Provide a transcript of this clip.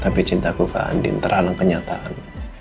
tapi cintaku ke andin terhalang kenyataan